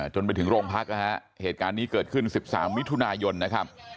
จนไปถึงโรงพักนะฮะเหตุการณ์นี้เกิดขึ้น๑๓มิถุนายนนะครับ